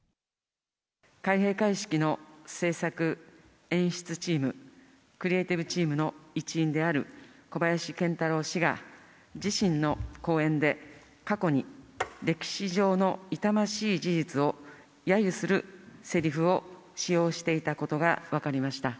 開閉会式の制作演出チーム、クリエーティブチームの一員である小林賢太郎氏が、自身の公演で、過去に歴史上の痛ましい事実をやゆするせりふを使用していたことが分かりました。